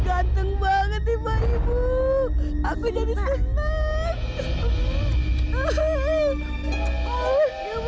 ganteng banget ibu aku jadi senang